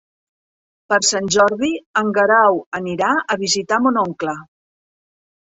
Per Sant Jordi en Guerau anirà a visitar mon oncle.